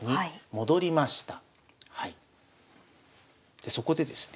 でそこでですね